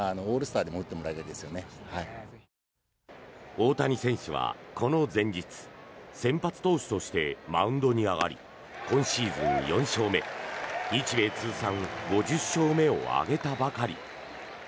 大谷選手はこの前日先発投手としてマウンドに上がり今シーズン４勝目日米通算５０勝目を挙げたばかり。